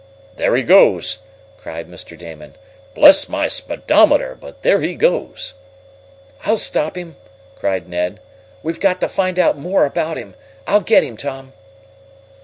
"There he goes!" cried Mr. Damon. "Bless my speedometer, but there he goes!" "I'll stop him!" cried Ned. "We've got to find out more about him! I'll get him, Tom!"